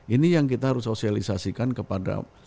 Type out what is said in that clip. ini yang kita harus sosialisasikan kepada